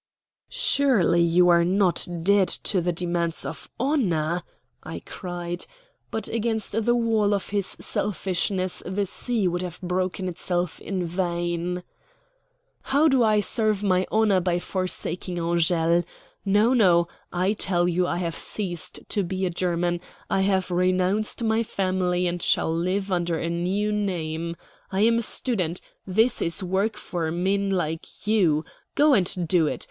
"Surely you are not dead to the demands of honor?" I cried; but against the wall of his selfishness the sea would have broken itself in vain. "How do I serve my honor by forsaking Angele? No, no. I tell you I have ceased to be a German; I have renounced my family, and shall live under a new name. I am a student. This is work for men like you. Go and do it.